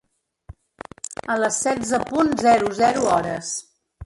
A les setze punt zero zero hores.